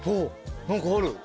何かある。